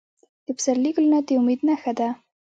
د پسرلي ګلونه د امید نښه ده.